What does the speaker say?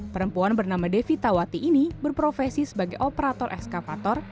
perempuan bernama devita wati ini berprofesi sebagai operator eskapator